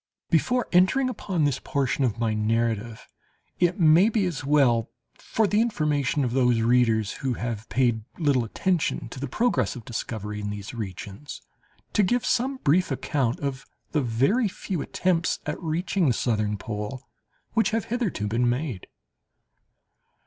Before entering upon this portion of my narrative, it may be as well, for the information of those readers who have paid little attention to the progress of discovery in these regions, to give some brief account of the very few attempts at reaching the southern pole which have hitherto been made.